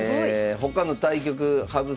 他の対局羽生先生